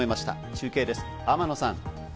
中継です、天野さん。